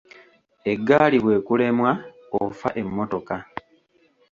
Eggaali bw'ekulemwa ofa emmotoka.